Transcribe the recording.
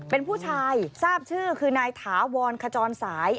เป็นผู้ชายทราบชื่อคือนายถาวรขจรสาย